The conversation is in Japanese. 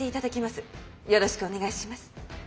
よろしくお願いします。